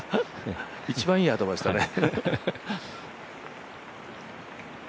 一番いいアドバイスだね。